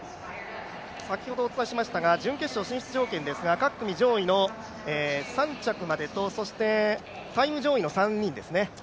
先ほどお伝えした準決勝進出条件ですが各組の上位の３着までと、そしてタイム上位の３人ですね。